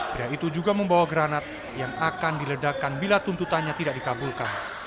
pria itu juga membawa granat yang akan diledakkan bila tuntutannya tidak dikabulkan